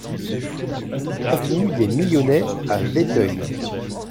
Avenue des Millonnets à Vétheuil